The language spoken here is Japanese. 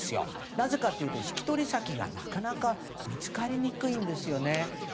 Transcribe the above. なぜかというと引き取り先がなかなか見つかりにくいんですよね。